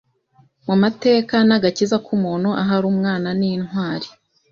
mu mateka n'agakiza k'umuntu Ahari Umwana ni intwari